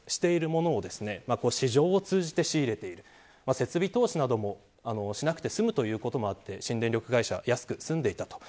設備投資などもしなくて済むということもあって新電力会社は安くすんでいた。